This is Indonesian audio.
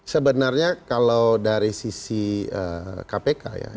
sebenarnya kalau dari sisi kpk ya